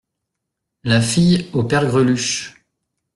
La fille au père Greluche !